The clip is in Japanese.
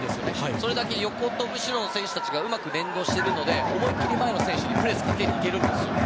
それだけ、横と後ろの選手たちがうまく連動しているので思い切り前の選手がプレスをかけに行けるんですね。